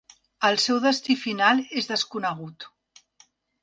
El seu destí final és desconegut.